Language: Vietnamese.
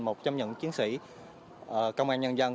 một trong những chiến sĩ công an nhân dân